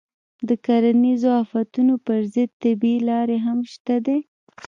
د کرنیزو آفتونو پر ضد طبیعي لارې هم شته دي.